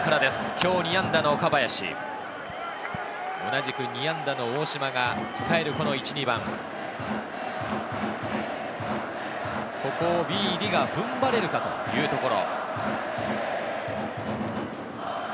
今日２安打の岡林、同じく２安打の大島が控えるこの１・２番、ここをビーディが踏ん張れるかというところ。